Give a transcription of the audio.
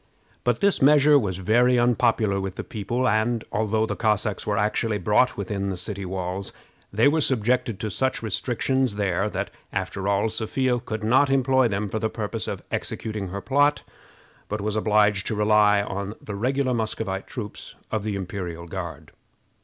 But this measure was very unpopular with the people, and, although the Cossacks were actually brought within the walls, they were subjected to such restrictions there that, after all, Sophia could not employ them for the purpose of executing her plot, but was obliged to rely on the regular Muscovite troops of the imperial Guard.